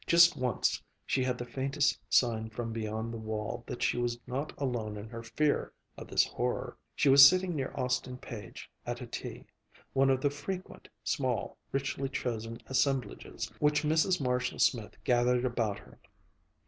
Just once she had the faintest sign from beyond the wall that she was not alone in her fear of this horror. She was sitting near Austin Page at a tea, one of the frequent, small, richly chosen assemblages which Mrs. Marshall Smith gathered about her.